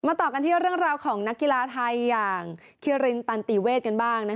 ต่อกันที่เรื่องราวของนักกีฬาไทยอย่างคิรินตันติเวทกันบ้าง